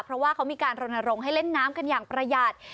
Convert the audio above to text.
เพราะว่าเขามีการรณรงค์ให้เล่นน้ำกันอย่างประหยัด